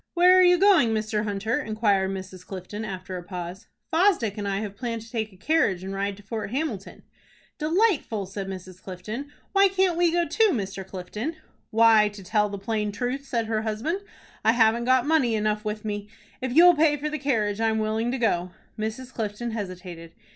"Where are you going, Mr. Hunter?" inquired Mrs. Clifton, after a pause. "Fosdick and I have planned to take a carriage and ride to Fort Hamilton." "Delightful!" said Mrs. Clifton. "Why can't we go too, Mr. Clifton?" "Why, to tell the plain truth," said her husband, "I haven't got money enough with me. If you'll pay for the carriage, I'm willing to go." Mrs. Clifton hesitated.